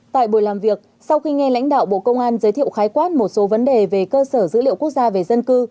tại buổi làm việc sau khi nghe lãnh đạo bộ công an giới thiệu khái quát một số vấn đề về cơ sở dữ liệu quốc gia về dân cư